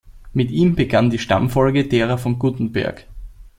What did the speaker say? Mit ihm begann die Stammfolge derer von Guttenberg.